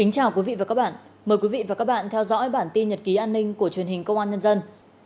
chào mừng quý vị đến với bản tin nhật ký an ninh của truyền hình công an nhân dân